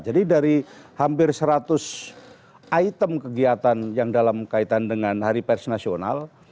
jadi dari hampir seratus item kegiatan yang dalam kaitan dengan hari pers nasional